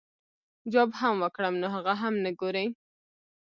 جواب هم وکړم نو هغه هم نۀ ګوري -